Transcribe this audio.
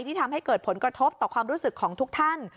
ที่ทำให้เกิดผลกระทบต่อความรู้สึกของทุกท่าน